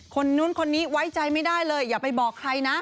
คนนู้นคนนี้ไว้ใจไม่ได้เลยอย่าไปบอกใครนะ